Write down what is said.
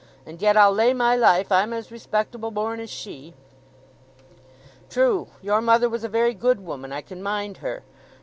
"And yet I'll lay my life I'm as respectable born as she." "True; your mother was a very good woman—I can mind her.